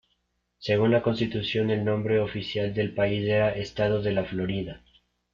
Según la Constitución, el nombre oficial del país era "Estado de la Florida".